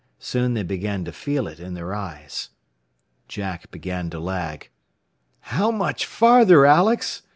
Soon they began to feel it in their eyes. Jack began to lag. "How much farther, Alex?"